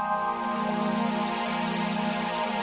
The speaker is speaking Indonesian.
ini apaan ini